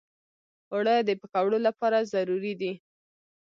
اوړه د پکوړو لپاره ضروري دي